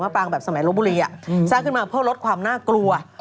ปางแบบสมัยลบบุรีสร้างขึ้นมาเพื่อลดความน่ากลัว